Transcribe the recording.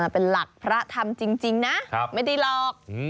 เป็นหลักพระธรรมจริงนะไม่ได้หลอก